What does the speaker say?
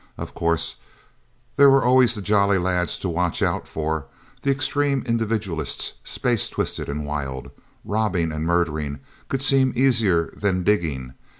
Of course there were always the Jolly Lads to watch out for the extreme individualists, space twisted and wild. Robbing and murdering could seem easier than digging.